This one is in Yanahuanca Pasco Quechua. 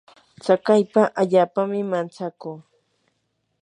tsakaypa allaapami mantsakuu.